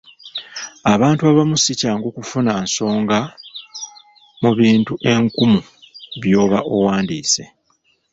Abantu abamu si kyangu kufuna nsonga mu bintu enkumu by'oba owandiise.